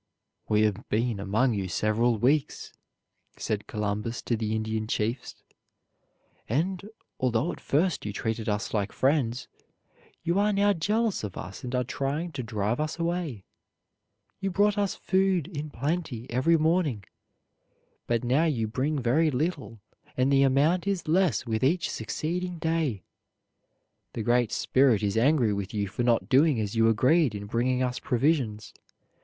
"We have been among you several weeks," said Columbus to the Indian chiefs; "and, although at first you treated us like friends, you are now jealous of us and are trying to drive us away. You brought us food in plenty every morning, but now you bring very little and the amount is less with each succeeding day. The Great Spirit is angry with you for not doing as you agreed in bringing us provisions.